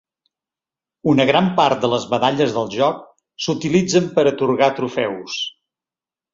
Una gran part de les medalles del joc s’utilitzen per atorgar trofeus.